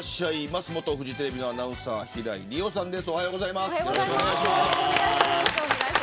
元フジテレビのアナウンサー平井理央さんです。